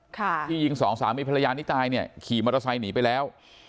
ที่ยิงสองสามีภรรยานี้ตายเนี่ยขี่มอเตอร์ไซค์หนีไปแล้ว